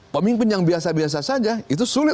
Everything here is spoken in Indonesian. pemimpin yang biasa biasa saja itu sulit